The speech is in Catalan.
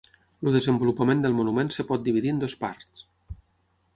El desenvolupament del monument es pot dividir en dues parts.